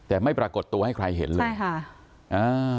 แต่ไม่ปรากฏตัวให้ใครเห็นเลยใช่ค่ะอ่า